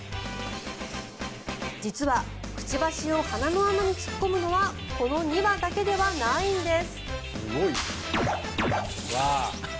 実はくちばしを鼻の穴に突っ込むのはこの２羽だけではないんです。